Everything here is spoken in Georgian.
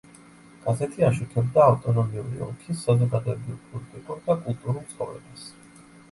გაზეთი აშუქებდა ავტონომიური ოლქის საზოგადოებრივ-პოლიტიკურ და კულტურულ ცხოვრებას.